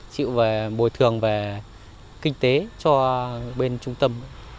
chịu về bồi thường về kinh tế cho bên trung tâm